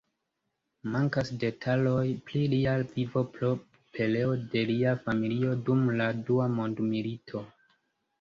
Mankas detaloj pri lia vivo pro pereo de lia familio dum la Dua Mondmilito.